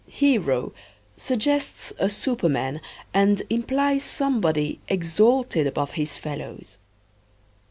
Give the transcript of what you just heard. "Hero" suggests a superman and implies somebody exalted above his fellows.